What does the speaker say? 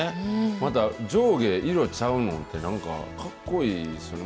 また上下色ちゃうのって、かっこいいですよね。